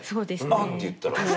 「あっ！」って言ったら。